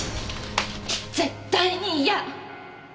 絶対に嫌！